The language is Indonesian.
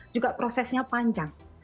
juga prosesnya panjang